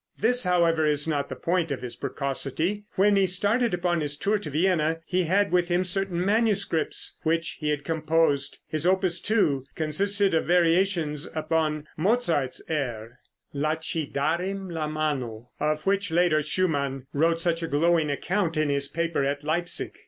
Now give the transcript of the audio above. This, however, is not the point of his precocity. When he started upon his tour to Vienna, he had with him certain manuscripts, which he had composed. His Opus 2 consisted of variations upon Mozart's air, "La ci Darem la Mano," of which later Schumann wrote such a glowing account in his paper at Leipsic.